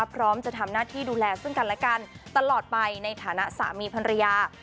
พร้อมจะทำหน้าที่ดูแลซึ่งกันและกันตลอดไปในฐานะสามีภรรยา